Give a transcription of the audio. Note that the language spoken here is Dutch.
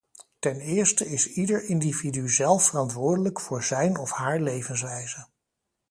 Ten eerste is ieder individu zelf verantwoordelijk voor zijn of haar levenswijze.